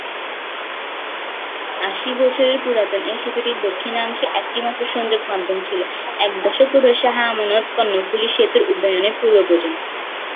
আশি বছরের পুরাতন এ সেতুটি দক্ষিণাংশের একমাত্র সংযোগ মাধ্যম ছিল, এক দশক পূর্বে শাহ আমানত কর্ণফুলী সেতুর উদ্বোধনের পূর্ব পর্যন্ত।